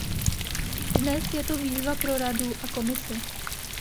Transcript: Dnes je to výzva pro Radu a Komisi.